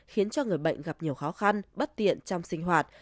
khiến cho người bệnh gặp nhiều khó khăn bất tiện trong sinh hoạt